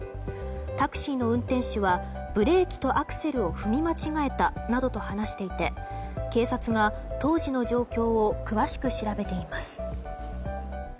タクシーの運転手はブレーキとアクセルを踏み間違えたなどと話していて警察が当時の状況を詳しく調べています。